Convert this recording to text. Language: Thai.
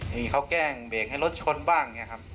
มีเขาแกล้งเบรกให้รถชนบ้างอย่างนี้ครับ